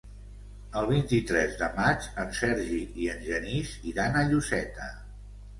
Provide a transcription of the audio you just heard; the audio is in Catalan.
El vint-i-tres de maig en Sergi i en Genís iran a Lloseta.